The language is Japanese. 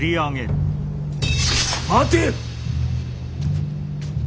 待て！